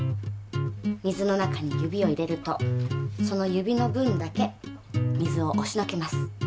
水の中に指を入れるとその指の分だけ水をおしのけます。